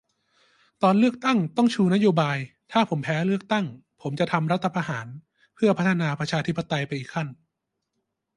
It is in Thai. ตอนเลือกตั้งต้องชูนโยบาย ถ้าผมแพ้เลือกตั้ง ผมจะทำรัฐประหารเพื่อพัฒนาประชาธิปไตยไปอีกขั้น